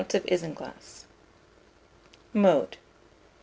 of isinglass. Mode.